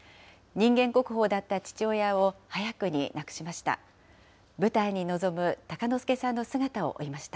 人間国宝だった父親を、早くに亡くしました。